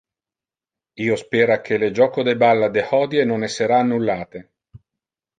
Io spera que le joco de balla de hodie non essera annullate.